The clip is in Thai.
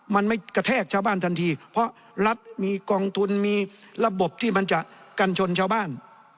มันไม่กระแทกชาวบ้านทันทีเพราะรัฐมีกองทุนมีระบบที่มันจะกันชนชาวบ้าน